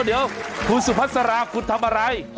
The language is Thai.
เดี๋ยวคุณสุภัชราคนิกอัล